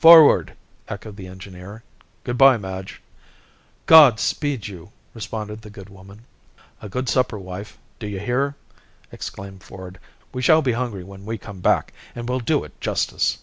"Forward!" echoed the engineer. "Good by, Madge." "God speed you!" responded the good woman. "A good supper, wife, do you hear?" exclaimed Ford. "We shall be hungry when we come back, and will do it justice!"